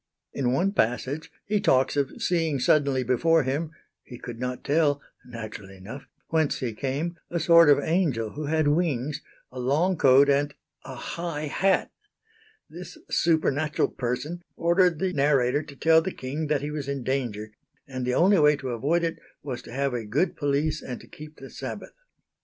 In one passage he talks of seeing suddenly before him he could not tell (naturally enough) whence he came a sort of angel who had wings, a long coat and a high hat. This supernatural person ordered the narrator to tell the King that he was in danger, and the only way to avoid it was to have a good police and to keep the Sabbath.